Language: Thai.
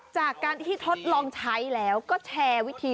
จากการที่ทดลองใช้แล้วก็แชร์วิธี